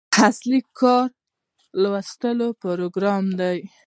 اصلي کار لوست پروګرام دی.